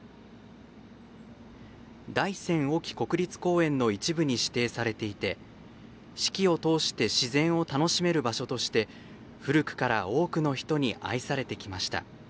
大山隠岐国立公園の一部に指定されていて四季を通して自然を楽しめる場所として古くから多くの人に愛されてきました。